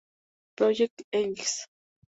Project Egg.